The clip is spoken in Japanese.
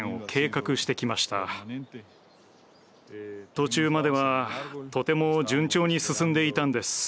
途中まではとても順調に進んでいたんです。